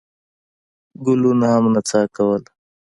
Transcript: ګلونو هم نڅا کوله.